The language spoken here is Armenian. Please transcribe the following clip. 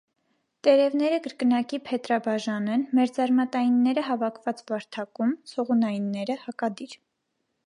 Տերևները կրկնակի փետրաբաժան են, մերձարմատայիևները՝ հավաքված վարդակում, ցողունայինները՝ հակադիր։